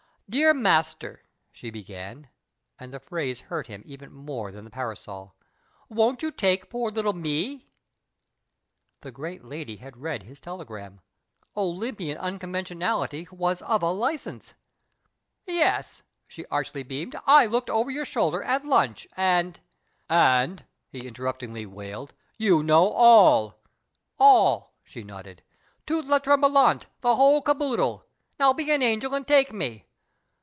" Dear Master," she began, and the phrase iuirt him even more than the parasol, " won't you take poor little me ?" The great lady had read his telegram ! Olympian unconventionality was of a licence !" Yes," she archly beamed, " I looked over your shoulder at lunch, and "" And," he interruptingly wailed, " you know all." " All," she nodded, " iuut le trcmblerncnt , the wiiole caboodle. Now be an angel and take me."